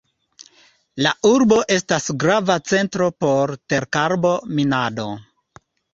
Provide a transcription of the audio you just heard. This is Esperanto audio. La urbo estas grava centro por terkarbo-minado.